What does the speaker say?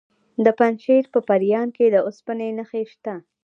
د پنجشیر په پریان کې د اوسپنې نښې شته.